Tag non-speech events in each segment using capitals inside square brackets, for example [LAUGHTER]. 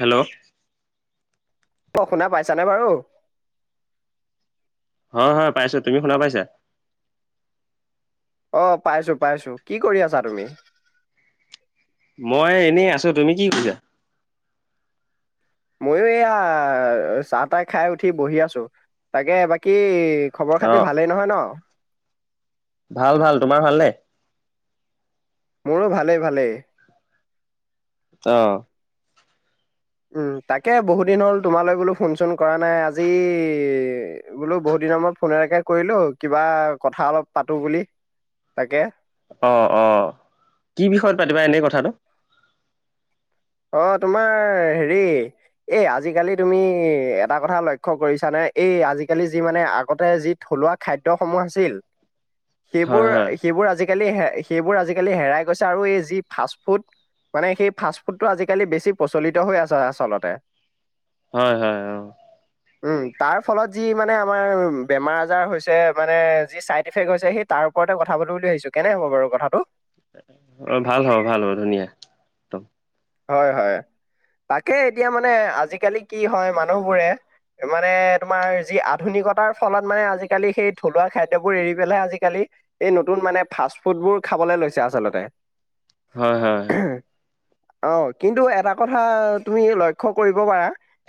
Hello. অ', শুনা পাইছানে বাৰু? হয় হয় পাইছো, তুমি শুনা পাইছা? অ', পাইছো পাইছো, কি কৰি আছা তুমি? মই এনেই আছো, তুমি কি কৰিছা? ময়ো এয়া চাহ তাহ খাই উঠি বহি আছো, তাকে বাকী খবৰ অ খাতি ভালেই নহয় ন? ভাল ভাল, তোমাৰ ভালনে? মোৰো ভালে ভালে অ উম তাকে বহুত দিন হ'ল তোমালৈ বোলো ফোন চোন কৰা নাই আজি বোলো বহুত দিন দিনা মই ফোন এনেকে কৰিলো কিবা কথা অলপ পাতো বুলি তাকে অ অ কি বিষয়ত পাতিবা এনেই কথাটো অ তোমাৰ হেৰি এ আজিকালি তুমি এটা কথা লক্ষ্য কৰিছানে এই আজিকালি যি মানে আগতে যি থ থলুৱোৱা খাদ্যসমূহ আছিল [UNINTELLIGIBLE] হয় সেইবোৰ হয় সেইবোৰ আজি আজিকালি সেইবোৰ আজিকালি হেৰাই গৈছে আৰু এই যি ফাষ্ট ফুড মানে সেই ফা ফুড টো আজিকালি বেছি প্ৰচলিত হৈ আছে আচলতে হয় হয় অ উম তাৰ ফলত যি মানে আমাৰ বেমাৰ আজাৰ হৈছে মানে যি চাইড এফেক্ট হৈছে সেই তাৰ ওপৰতে কথা পাতি বুলি ভাবিছো কেনে হ'ব বাৰু কথাটো অ ভাল হ'ব ভাল হ'ব ধুনীয়া একদম হয় হয় তাকে এতিয়া মানে আজিকালি কি হয় মানুহবোৰে মানে তোমাৰ যি আধুনিকতাৰ ফলত মানে আজিকালি সেই থলুৱা খাদ্যবোৰ এৰি পেলহে আজিকালি এই নতুন মানে ফাষ্ট ফুড বোৰ খাবলে লৈছে আচলতে হয় হয় অ কিন্তু এটা কথা তুমি লক্ষ্ কৰিব পাৰা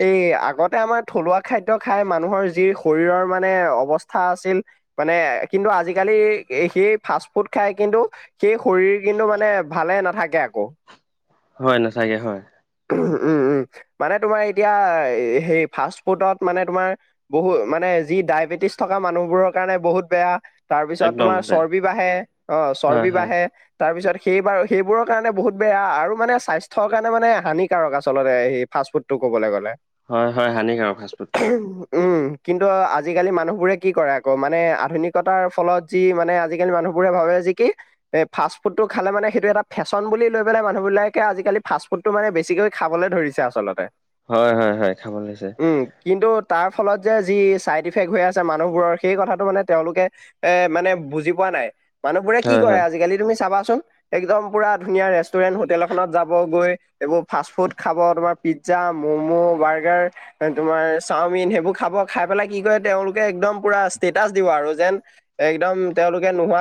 এই আগতে আমাৰ থলুৱা খ খাদ্য খাই মানুহৰ যি শৰীৰৰ মানে অৱস্থা আছিল মানে কিন্তু আজিকালি সেই ফাষ্ট ফুড খাই কিন্তু সেই শৰীৰ কিন্তু মানে ভালে নাথাকে আকৌ হয় নাচাকে হয় উম, উম, মানে তোমাৰ এতিয়া সে ফা ফুডত মানে তোমাৰ বহু মানে যি ডবেটি থকা মানুহবোৰৰ কাৰণে বহুত বেয়া তাৰ পিছত একদম তোমাৰ বেয়া চৰ্বি বাঢ়ে অ হয় চৰ্বি হয় বাঢ়ে তাৰ পিছত সেইবাৰ সেইবোৰৰ কাৰণে বহুত বেয়া আৰু মানে স্বাস্থ থ কাৰণে মানে হানিকাৰক আচলতে সি ফাষ্ট ফুড টো ক'বলৈ গ'লে হয় হয় হানিকাৰক ফাষ্টফুডটো উম, কিন্তু আজিকালি মানুহবোৰে কি কৰে আকৌ মানে আধুনিকতাৰ ফলত যি মানে আজিকালি মানুহবোৰে ভাবে যি কি এ ফাষ্ট ফুডটো খালে মানে সেইটো এটা ফেশ্বন বুলি লৈ পেললে মানুহ বিলাকে আজিকালি ফাষ্টফুডটো মানে বেছিকৈ খাবলৈ ধৰিছে আচলতে হয় হয় হয় খাব লাগছে উম, কিন্তু তাৰ ফলত যে যি চাইড ইফেক্ট হৈ আছে মানুহবোৰৰ সেই কথাটো মানে তেওঁলোকে এ মানে বুজি পোৱা মানুহো কি হয় কৰে হয় আজালি তুমি চাবাোন একম প ধুন ৰেৰে হোলত যাব [UNINTELLIGIBLE] [UNINTELLIGIBLE] নোহোৱা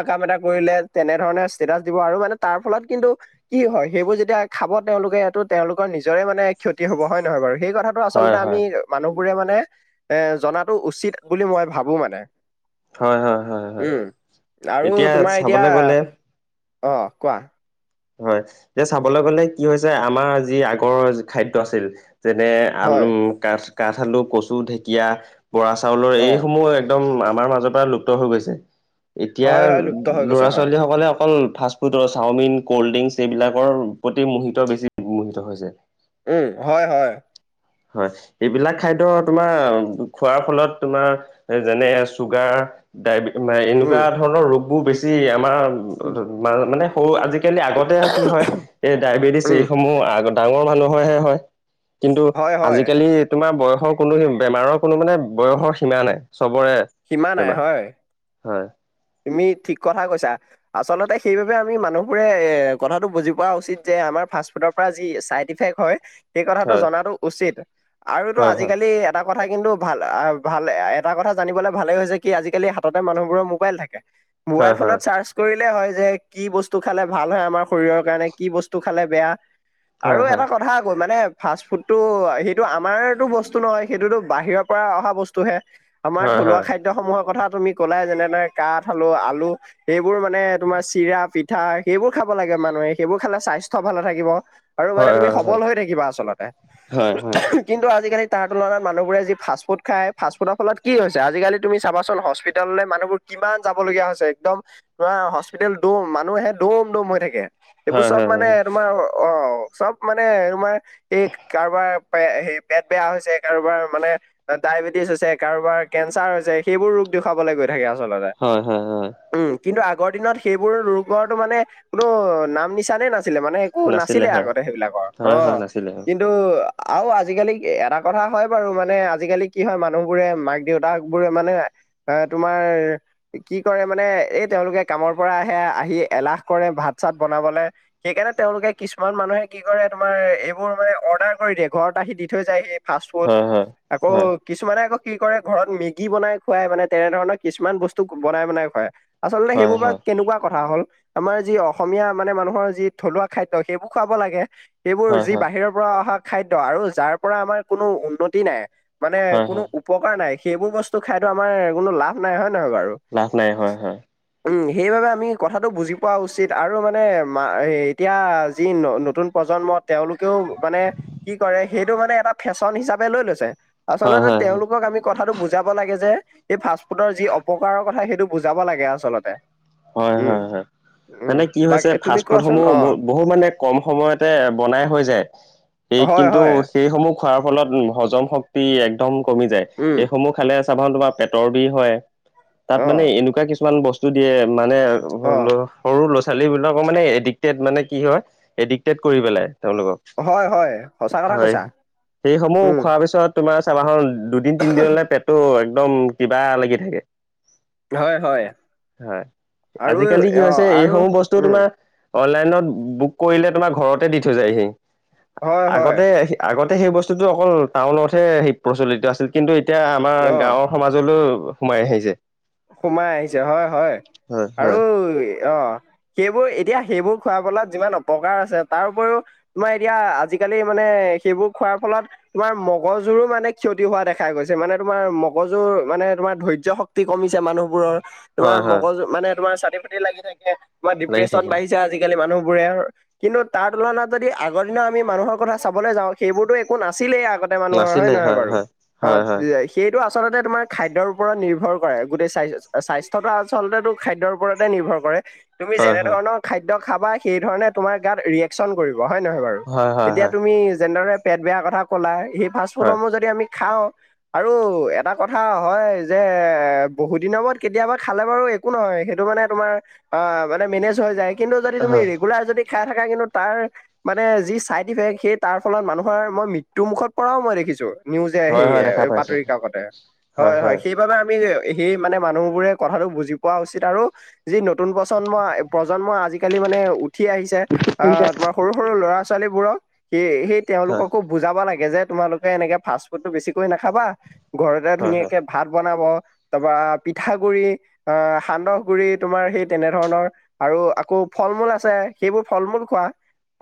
কাম এটা কৰিলে তেনেধৰণে ষ্টেটাচ দিব আৰু মানে তাৰ ফলত কিন্তু কি হয় সেইবোৰ যেতিয়া খাব তেওঁলোকে এইটো তেওঁলোকৰ নিজৰে মানে ক্ষতি হব হয় নহয় বাৰু সেই কথাটো হয় আচলতে হয় আমি মানুহ বোৰে মানে এ জনাাতো উচিত বুলি মই ভাবো মানে হয় হয় হয় হয় উম আৰু এতিয়া তোমাৰ এতিয়া চাবলৈ গ'লে অ কোৱা হয় যে চাবলৈ গলে কি হৈছে আমাৰ যি আগৰ খাদ্য আছিল যেনে- হয় আলু, কাঠ কাঠ আলু, কচু, ঢেঁকীয়া বৰা চাউলৰ, অ এইসমূহ একদম আমাৰ মাজৰ পৰা লুপ্ত হৈ গৈছে। এতিয়া হয় হয় লুপ্ত হৈ গৈছে হয় ল'ৰা-ছোৱালীসকলে অকল ফাষ্ট-ফুডে, চাওমিন কল্ড ড্ৰিংকচ, এইবিলাকৰ প্ৰতি মোহিত বেছি মোহিত হৈছে। উম, হয়, হয়। হয়, এইবিলাক খাদ্য তোমাৰ খোৱাৰ ফলত তোমাৰ যেনে, চুগাৰ [UNINTELLIGIBLE] ডাইবে, উম এনেকুৱা ধৰণৰ ৰোগবোৰ বেছি আমাৰ, মানে সৰু আজি কেনে আগতে এয়া কি হয়, এই ডায়বেটিছ উম এইসমূহ আগত ডাঙৰ মানুহৰহে হয়। কিন্তু, হয় হয় আজিকালি তোমাৰ বয়সৰ কোনো বেমাৰৰ কোনো মানে বয়সৰ সীমা নাই। চবৰে সীমা নাই, বেমাৰ হয়। হয়, তুমি ঠিক কথা কৈছা, আচলতে সেইবাবে আমি মানুহবোৰে এই কথাটো বুজি পোৱা উচিত যে আমাৰ [UNINTELLIGIBLE] ফাষ্ট ফুডৰ পৰা যি চাইডিফেক্ট হয় সেই কথাটো হয় জনাটো উচিত আৰুতো হয় হয় আজিকালি এটা কথা কিন্তু ভাল আহ ভাল, এটা কথা জানিবলৈ ভালেই হৈছে কি আজিকালি হাততে মানুহবোৰৰ মোবাইল থাক হয় মোবাইল ফোনত চাৰ্চ কৰি [UNINTELLIGIBLE] হয় যে, কি বস্তু খালে ভাল হয় আমাৰ শৰীৰৰ কাৰণে, কি বস্তু খালে বেয়া। আৰু হয় হয় এটা কথা আকৌ মানে ফাষ্ট ফুডটো সেইটো আমাৰতো বস্তু নহয়, সেইটোতো বাহিৰৰ পৰা অহা বস্তুহে। আমাৰ হয় থলুৱা হয় খাদ্যসমূহৰ কথা তুমি ক'লাই যেনে কাঠ আলু, আলু, সেইবোৰ মানে তোমাৰ চিৰা, পিঠা, সেইবোৰ খাব লাগে মানুহে, সেইবোৰ খালে স্বা -বাস্থ্য ভালে থাকিব। আৰু হয় মানে তুমি হয় হয় সবল হৈ থাকিবা আচলতে। হয় হয় কিন্তু আজি-কালি তাৰ তুলনাত মানুহবোৰে যি ফাষ্ট-ফুড খায়, ফাষ্ট-ফুডৰ ফলত কি হৈছে, আজি-কালি তুমি চাবাচোন, হস্পিতাললৈ মানুহবোৰ কিমান যাব লগীয়া হৈছে, একদম পোৰা, হস্পিতাল দোম, মানুহহে দোম দোম হৈ থাকে। এইবোৰ হয় হয় চব হয় মানে তোমাৰ, অ চব মানে তোমাৰ এই কাৰো বাৰ এই পেট বেয়া হৈছে, কাৰোবাৰ মানে ডায়বেটিছ হৈছে, কাৰোবাৰ কেঞ্চাৰ হৈছে সেইবোৰ ৰোগ দেখুৱাবলৈ গৈ থাকে আচলতে। হয় হয় হয় হয় উম, কিন্তু আগৰ দিনত সেইবোৰ ৰোগৰটো মানে কোনো নাম-নিচানেই না -নাছিলে মানে একো নাছিলে আগতে সেইবিলাকৰ। হয় হয় অ', নাছিলে হয় কিন্তু আৰু আজি-কালি এটা কথা হয় বাৰু, মানে আজি-কালি কি হয় মানুহবোৰে, মাক-দেউতাবোৰে মানে এই তোমাৰ কি কৰে মানে, এই তেওঁলোকে কামৰ পৰা আহে, আহি এলাহ কৰে ভাত-চাত বনাবলে। সেইকাৰণে তেওঁলোকে কিছুমান মানুহে কি কৰে, তোমাৰ এইবোৰ মানে অৰ্ডাৰ কৰি দিয়ে, ঘৰত আহি দি থৈ যায়হি। ফাষ্ট-ফুড হয় হয় আকৌ হয় কিছুমানে আকৌ কি কৰে ঘৰত মেগী বনাই খুৱায় মানে। তেনেধৰণৰ কিছুমান বস্তু বনাই বনাই খুৱায়। আচলতে, হয় সেইবোৰ হয় বাৰু কেনেকুৱা কথা হ'ল? আমাৰ যি অসমীয়া মানে মানুহৰ যি থলুৱা খাদ্য সেইবোৰ খুওৱাব লাগে। সেইবোৰ হয় যি হয় বাহিৰৰ পৰা অহা খাদ্য আৰু যাৰ পৰা আমাৰ কোনো উন্নতি নাই। মানে হয় কোনো হয় উপকাৰ নাই, সেইবোৰ বস্তু খাইতো আমাৰ কোনো লাভ নাই। হয় নে নহয় বাৰু? লাভ নাই, হয়, হয়। উম সেইবাবে আমি কথাটো বুজি পোৱা উচিত আৰু মানে এতিয়া যি নতুন প্ৰজন্ম তেওঁলোকেও মানে কি কৰে সেইটো মানে এটা ফেশ্বন হিচাপে লৈ লৈছে। হয় আচলতে, হয় হয় তেওঁলোকক আমি কথাটো বুজাব লাগে যে এই ফাষ্ট-ফুডৰ যি অপ -কাৰৰ কথা, সেইটো বুজাব লাগে আচলতে। উম হয়-হয়-হয়। উম, মানে কি বাক হৈছে, তুমি কোৱাচোন ফাষ্ট-ফুডসমূহ ব অ', বহু মানে কম সময়তে বনাই হৈ যায়। সেই হয়, কিন্তু, হয়, সেইসমূহ খোৱাৰ ফলত হজম শ ক্তি একদম কমি যায়, উম, সেইসমূহ খালে চাবাচোন, তোমাৰ পেটৰ বিষ হয়। তাত মানে অ', এনেকুৱা কিছুমান বস্তু দিয়ে মানে অ', সৰু, সৰু ল'ৰা ছোৱালীবিলাকৰ মানে এডিক্টেড মানে কি হয়, এডিক্টেড কৰি পেলায়, তেওঁলোকক। হয়, হয়, সঁচা কথা হয়, কৈছা, সেই সমূহ উম, খোৱাৰ পিছত তোমাৰ চাবাহোন দুদিন, তিনদিনলে পেটটো একদম কিবা লাগি থাকে। হয়, হয়। হয় আৰু আজিকালি কি হৈছে, অ', আৰু এইসমূহ বস্তু উম, তোমা অনলাইনত বুক কৰিলে তোমাৰ ঘৰতে দি থৈ যায়হি। হয়, হয়, আগতে, আগতে তে সেই বস্তুটো অকল টাউনতহে সেই প্ৰচলিত আছিল কিন্তু, এতিয়া আমাৰ অ', গাঁৱৰ সমাজলৈও সোমাই আহিছে সোমাই আহিছে হয়, হয়। হয় আৰু হয় অ', সেইবোৰ, এতিয়া সেইবোৰ খুৱাবলোৱাত যিমান অপকাৰ আছে, তাৰ উপৰিও তোমাৰ এতিয়া আ-আজি আজিকালি মানে সেইবোৰ খোৱাৰ ফলত তোমাৰ মগজুৰো মানে ক্ষতি হোৱা দেখা গৈছে। মানে তোমাৰ মগ জুৰ, মানে তোমাৰ ধৈৰ্য্য শক্তিক ছে মানুহবোৰৰ, তোমাৰ হয় হয় মগজু মানে তোমাৰ চাতি-ফতি লাগি থাকে। তোমাৰ লাগি ডিপ্ৰেচন থাকে বাঢ়িছে আজিকালি মানুহ বোৰেৰ, কিন্তু তাৰ তুলনাত যদি আগৰ দিনৰ আমি মানুহৰ কথা চাবলৈ যাওঁ, সেইবোৰতো একো নাছিলেই আগ গতে মানুহৰ নাছিলে হয়নে নহয় হয় বাৰু? হয় অ', হয় হয় দেই সেইটো আচলতে তোমাৰ খাদ্যৰ ওপৰত নিৰ্ভৰ কৰে। গোটেই স্বাই-স্বাস্থ্যকাৰ আচলতেটো খাদ্যৰ ওপৰতে নিৰ্ভৰ কৰে। তুমি হয় যেনে ধৰণৰ খাদ দ্য খাবা, সেই ধৰণে তোমাৰ গাত ৰিয়েকচন কৰিব হয় নহয় বাৰু? হয় হয় হয় এতিয়া হয় তুমি যেনেদৰে পেট বেয়া কথা ক'লা, সেই ফাষ্টফুডসমূহ যদি আমি খাওঁ আৰু এটা কথা হয় যে এ বহুত দিনৰ মূৰত কেতিয়াবা খালে বাৰু একো নহয়। সেইটো মানে তোমাৰ আ মানে মেনেজ হৈ যায়। কিন্তু যদি তুমি হয় ৰেগুলাৰ যদি খাই থাকা কিন্তু তাৰ মানে যি চাইড ইফেক্ট, সেই তাৰ ফলত মানুহৰ মই মৃত্যু মুখত পৰাও মই দেখিছোঁ। নিউজে হয় হয় হয় হেইয়ে, দেখা এই পাইছে বাতৰি কাকতে হয়, হয় সেইবাবে আ সেই মানে মানুহবোৰে কথাটো বুজি পোৱা উচিত, আৰু যি নতুন প্ৰচন্ম-প্ৰজন্মই আজি কালি মানে উঠ উঠি আহিছে। আ তোমাৰ সৰু-সৰু ল'ৰা-ছোৱালীবোৰক, সেই, সেই হয় তেওঁলোককো বুজাব লাগ লাগে যে, তোমালোকে এনেকে ফাষ্ট ফুডতটো বেছিকৈ নাখাবা। ঘৰতে হয় হয় ধুনীয়াকে ভাত বনাব তাপা পিঠা গুৰি, আ সান্দহ গুৰি তোমাৰ সেই তেনে ধৰণৰ, আৰু আকৌ ফল-মূল আছে, সেইবোৰ ফল-মূল খোৱা।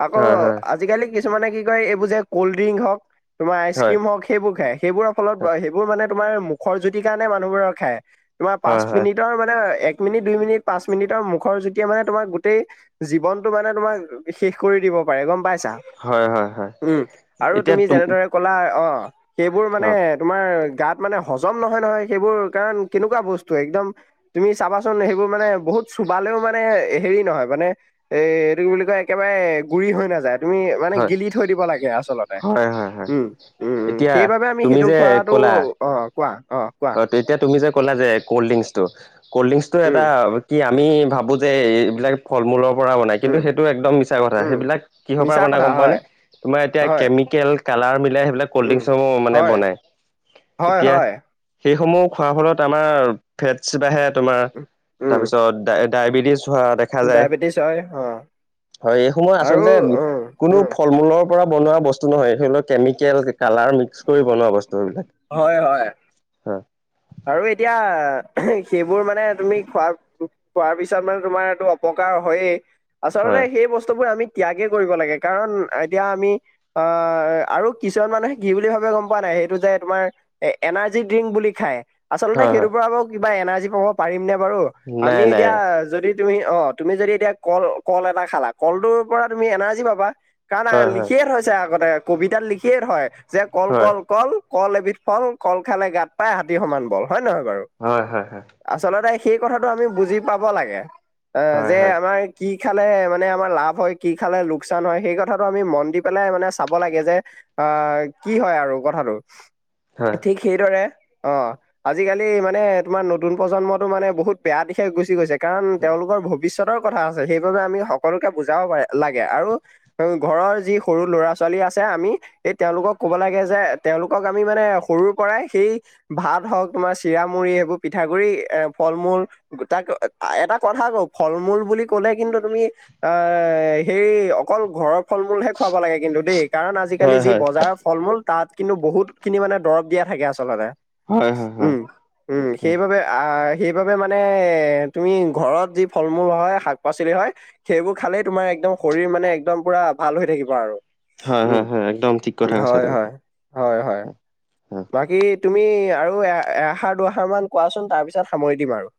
আকৌ হয় আজিকালি কিছুমানে কি কয়, এইবোৰ যে, কল্ডডিংক হ'ক তোমাৰ আইচ হয় ক্ৰীম হক সেইবোৰ খায়। সেইবোৰৰ ফলত, হয় সেইবোৰ মানে তোমাৰ মুখৰ জুতিৰ কাৰণে মানুহবোৰে খায়। তোমাৰ হয় পাঁচ হয় মিনিটৰ মানে এক এক মিনিট, দুই মিনিট, পাঁচ মিনিটৰ মুখৰ জুতিয়ে মানে তোমাৰ গোটেই জীৱনটো মানে তোমাৰ শেষ কৰি দিব। পাৰে, গম পাইছা? হয় হয় হয় উম। আৰু এতিয়া তুমি তুম যেনে ধৰে কলা অ'। সেইবোৰ মানে, অ তোমাৰ গাত মানে হজম নহয় নহয়। সেইবোৰ কাৰণ কেনেকুৱা বস্তু একদম তুমি, চাবাচোন সেইবোৰ মানে বহুত চুবালেও মানে এ, হে হেৰি নহয় মানে, এ এইটো কি বুলি কয় একেবাৰে গুৰি হৈ নাযায়। তুমি মানে হয় গিলি থৈ দিব লাগে আচলতে। হয় হয় হয় উম, উম, উম। এতিয়া সেইবাবে আমি তুমি সেইটো যে খোৱাটো ক'লা অ', কোৱা, অ', কোৱা। হয় এতিয়া তুমি যে ক'লা যে কলডিংকছটো, কলডিংকছটো উম, এটা কি আ আমি ভাবোঁ যে, এইবিলাক ফল-মূলৰ পৰা বনাই কিন্তু উম, সেইটো একদম মিছা কথা। উম, সেইবিলাক কিহৰ পৰা মিছা বনাই কথা গম পোৱা হয়, নে? তোমাৰ এতিয়া হয়, কেমিকেল, কালাৰ মিলাই সেইবিলাক উম। কল্ডডিংকছসমূহ মানে হয়, বনায়। হয়, এতিয়া হয়। সেইসমূহ খোৱাৰ ফলত আমাৰ ফেটছ বাঢ়ে, তোমাৰ উম, তাৰপিছত ডায়-ডায়বেটিছ হোৱা দেখা যায়। ডায়েবেটিছ অ', হয়, এইসমূহ আৰু আচলতে উম, কোনো উম। ফল-মূলৰ পৰা বনোৱা বস্তু নহয়। সেইবিলাক কেমিকেল, কালাৰ মিক্স কৰি বনোৱা বস্তু। এইবিলাক হয়, হয়। হয়। আৰু এতিয়া, সেইবোৰ মানে তুমি খোৱা-খোৱাৰ পিছত মানে তোমাৰ এইটো অপ কাৰ হয়ে। হয় আচলতে সেই বস্তুবোৰ আমি ত্যাগে কৰিব লাগে। কাৰণ এতিয়া আমি আ আৰু কিছুমান মানুহে কি বুলি ভাবে গম পোৱা নাই সেইটো যে তোমাৰ এ-এনাৰ্জি ড্ৰিংক বুলি খায়। আচলতে হয় সেইটোৰ হয় পৰা আকৌ কিবা এনাৰ্জি পাব পাৰিম নে বাৰু? আমি নাই নাই এতিয়া যদি তুমি অ', তুমি যদি এতিয়া কল-কল এটা খালা, কলটোৰ পৰা তুমি এনাৰ্জি পাবা। কাৰণ হয় হয় লিখিয়ে থৈছে আগতে, কবিতাত লিখিয়ে থয় যে- কল, হয় কল, কল। কল এবিধ ফল কল খালে গাত পাই হাতী সমান বল হয়ে নহয় বাৰু হয় হয় আচলতে সেই কথাটো আমি বুজি পাব লাগে অ হয় যে হয় আমাৰ কি কি খালে মানে আমাৰ লাভ হয় কি খালে লোকচান হয় সেই কথাটো আমি মন দি পেলাই মানে চাব লাগে যে আহ কি হয় আৰু কথাটো হয় ঠিক সেইদৰে অ আজিকালি মানে তোমাৰ নতুন প্ৰজন্মটো মানে বহুত বেয়া দিশে গুচি গৈছে কাৰণ তেওঁলোকৰ ভ ভিতৰ কথা আছে সেইবাবে আমি সকলোকে বুজাব প লাগে আৰু ঘৰৰ যি সৰু ল'ৰা ছ চলি আছে আমি এই তেওঁলোকক কব লাগে যে তেওঁলোকক আমি মানে সৰুৰ পৰাই সেই ভাত হওক তোমাৰ চিৰা মুড়ি সেইবোৰ পিঠাগুৰি এ ফল মূল তাক এটা কথা কও ফল মূল বুলি ক'লে কিন্তু তুমি এ হে অকল ঘৰৰ ফল মূলহে খুৱাব লাগে কিন্তু দেই কাৰণ আজিকালি হয় যি হয় বজাৰৰ ফল মূল তাত কিন্তু বহুত খিনি মানে দৰব দিয়া থাকে আচলতে হয় হয় হয় উম উম সেইবাবে আহ সেইবাবে মানে এ তুমি ঘৰত যি ফল মূল হয় শাক পাচলি হয় সেইবোৰ খালেই তোমাৰ একদম শৰীৰ মানে একদম পুৰা ভাল হৈ থাকিব আৰু হয় হ উম একদম ঠিক কথা ক আছা হয় তুমি হয় হয় হয় বাকী তুমি আৰু এ এহাৰ দুহাৰ মান কোৱাচোন তাৰপিছত সামৰি দিম আৰু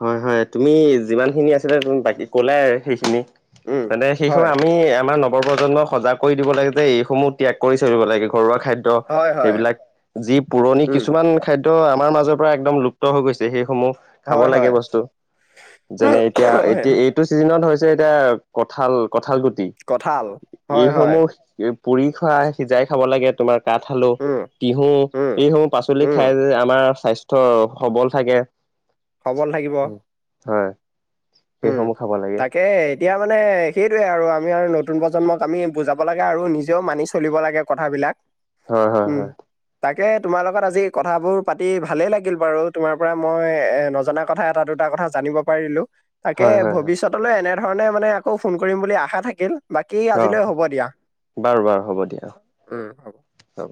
হয় হয় তুমি যিমান খিনি আছিলা বাকী ক'লে আৰু সেইখিনি উম তে শিশ হয় আমি আমাৰ ন ৰ প্ৰজন্মক সজাগ কৰি দিব লাগে যে এইসমূহ ত্যাগ কৰি চলিব লাগে ঘৰুৱা খাদ্য হয় হয় সবিলাক যি পুৰণি উম কিছুমান খ তটো আমাৰ মাজৰ পৰা একদম লুপ্ত হৈ গৈছে সেইসমূহ খাব হয় লাগে হয় বস্তু যেনে এতিয়া হয় এতিয়া এইটো চিজনত এতিয়া কঠাল কঠাল গুটি কঁঠাল হয় হয় এইসমূহ পুৰি খাই সিজাই খাব লাগে তোমাৰ কাঠ আলু উম, তিহু উম, এইসমূহ পাচলি উম, খাই যে আমাৰ স্বাস্থ্য সবল থাকে খবৰ থাকিব হয় উম সেইসমূহ খাব লাগে তাকে এতিয়া মানে সেইটয়ে আৰু আমি আৰু নতুন প্ৰজন্মক আমি বুজাব লাগে আৰু নিজেও মানি চলিব লাগে কথাবিলাক হয় হয় উম হয় তাক তাকে তোমাৰ লগত আজি কথাবোৰ পাতি ভালেই লাগিল বাৰু তোমাৰ পৰা মই নজনা কথা এটা দুটা কথা কথা জানিব পাৰিলো তাকে হয় হয় হয় ভৱিষ্যতলৈ এনেধৰণে মানে আকৌ ফোন কৰিম বুলি আশা থাকিল বাকী অ আজিলৈ হ'ব দিয়া বাৰু বাৰু হ'ব দিয়া উ হ'ব হ'ব